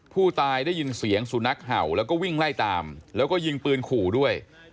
ได้ยินเสียงสุนัขเห่าแล้วก็วิ่งไล่ตามแล้วก็ยิงปืนขู่ด้วย